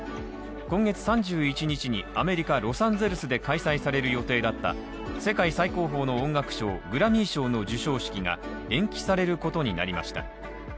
今月３１日にアメリカ・ロサンゼルスで開催される予定だった世界最高峰の音楽賞、グラミー賞の授賞式が延期されることになりました。